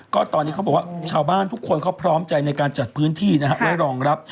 ก็ตอนนี้เขาบอกว่าชาวบ้านทุกคนเขาพร้อมใจในการจัดพื้นที่นะครับไว้รองรับ